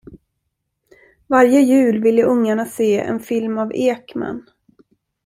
Varje jul ville ungarna se en film av Ekman.